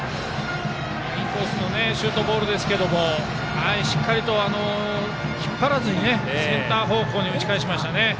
インコースのシュートボールですけどしっかりと引っ張らずにセンター方向に打ち返しましたね。